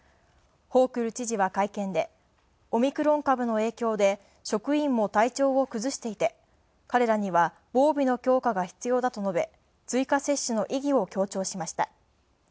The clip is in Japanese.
ホークル知事は会見で、オミクロン株の影響で「職員も体調を崩していて、彼らには防備の強化が必要だ」と述べ、追加接種の意義を強調しました。